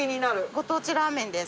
ご当地ラーメンです。